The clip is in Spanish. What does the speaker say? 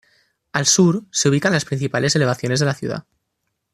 Al sur se ubican las principales elevaciones de la ciudad.